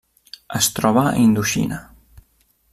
Es troba a Indoxina.